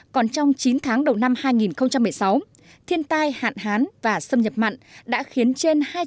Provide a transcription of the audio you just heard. còn trong chín tháng đầu năm hai nghìn một mươi sáu thiên tai hạn hán và xâm nhập mặn đã khiến trên